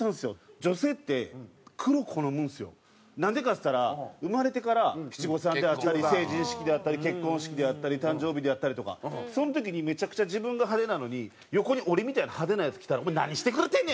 女性ってなんでかっつったら生まれてから七五三であったり成人式であったり結婚式であったり誕生日であったりとかその時にめちゃくちゃ自分が派手なのに横に俺みたいな派手なヤツ来たらお前何してくれてんねん！